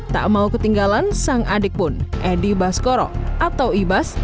tak mau ketinggalan sang adik pun edy baskoro atau ibas